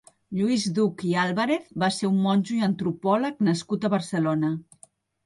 Lluís Duch i Álvarez va ser un monjo i antropòleg nascut a Barcelona.